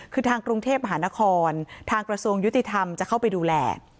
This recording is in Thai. คือทางกรุงเทพมหานครทางกระทรวงยุติธรรมจะเข้าไปดูแล